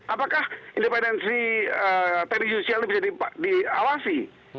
apakah independensi teknisiusial ini bisa diawasi